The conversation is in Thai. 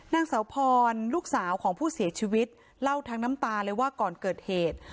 นางสาวพรลูกสาวของผู้เสียชีวิตเล่าทั้งน้ำตาเลยว่าก่อนเกิดเหตุ